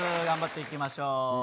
頑張っていきましょう。